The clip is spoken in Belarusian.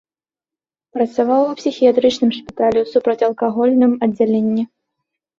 Працаваў у псіхіятрычным шпіталі ў супрацьалкагольным аддзяленні.